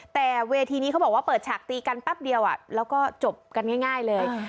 แต่เวทีนี้เขาบอกว่าเปิดฉากตีกันแป๊บเดียวแล้วก็จบกันง่ายเลย